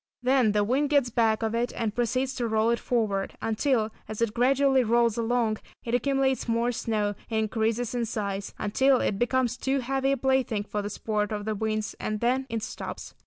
Then the wind gets back of it, and proceeds to roll it forward, until, as it gradually rolls along it accumulates more snow, and increases in size, until it becomes too heavy a plaything for the sport of the winds, and then it stops.